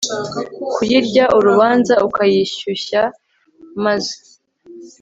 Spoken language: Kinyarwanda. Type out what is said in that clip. kuyirya urabanza ukayishyushya maze